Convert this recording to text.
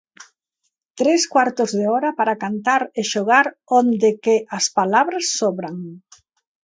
Tres cuartos de hora para cantar e xogar onde que as palabras sobran.